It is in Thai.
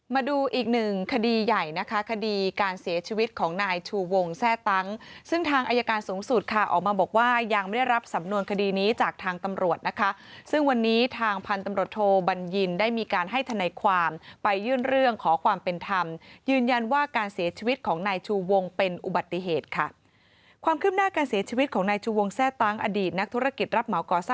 มาดูอีกหนึ่งคดีใหญ่นะคะคดีการเสียชีวิตของนายชูวงแทร่ตั้งซึ่งทางอายการสูงสุดค่ะออกมาบอกว่ายังไม่ได้รับสำนวนคดีนี้จากทางตำรวจนะคะซึ่งวันนี้ทางพันธุ์ตำรวจโทบัญญินได้มีการให้ทนายความไปยื่นเรื่องขอความเป็นธรรมยืนยันว่าการเสียชีวิตของนายชูวงเป็นอุบัติเหตุค่ะความคืบหน้าการเสียชีวิตของนายชูวงแทร่ตั้งอดีตนักธุรกิจรับเหมาก่อ